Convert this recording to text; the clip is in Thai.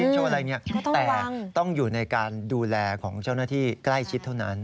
แต่ต้องอยู่ในการดูแลของเจ้าหน้าที่ใกล้ชิดเท่านั้น